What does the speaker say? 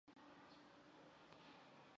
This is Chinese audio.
以下为无尽的任务所出现的种族。